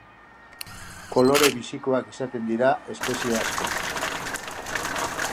Kolore bizikoak izaten dira espezie asko.